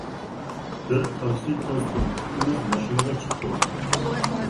بىر تاكسى توستۇم، ئىككىمىز ماشىنىغا چىقتۇق.